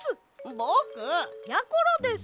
ぼく！やころです！